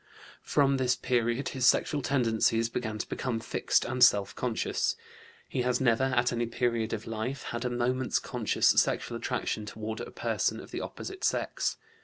From this period his sexual tendencies began to become fixed and self conscious. He has never at any period of life had a moment's conscious sexual attraction toward a person of the opposite sex.